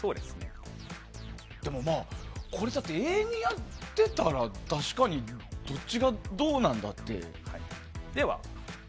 永遠にやってたら、確かにどっちがどうなんだって。